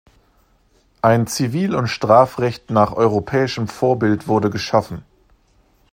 Ein Zivil- und Strafrecht nach europäischem Vorbild wurde geschaffen.